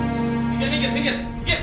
minggir minggir minggir minggir